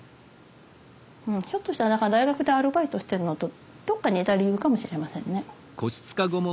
ひょっとしたらだから大学でアルバイトしてるのとどっか似た理由かもしれませんね。